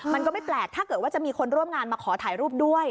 มันก็ไม่แปลกถ้าเกิดว่าจะมีคนร่วมงานมาขอถ่ายรูปด้วย